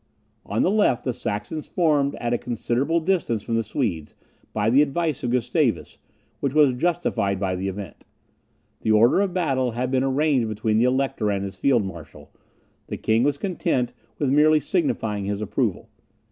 On the left, the Saxons formed at a considerable distance from the Swedes, by the advice of Gustavus, which was justified by the event. The order of battle had been arranged between the Elector and his field marshal, and the king was content with merely signifying his approval.